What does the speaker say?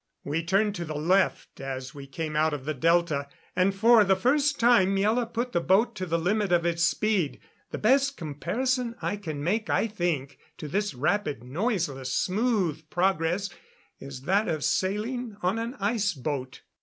We turned to the left as we came out of the delta, and for the first time Miela put the boat to the limit of its speed. The best comparison I can make, I think, to this rapid, noiseless, smooth progress, is that of sailing on an iceboat.